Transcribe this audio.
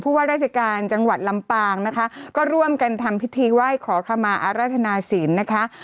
ว่าราชการจังหวัดลำปางนะคะก็ร่วมกันทำพิธีไหว้ขอขมาอรรถนาศิลป์นะคะ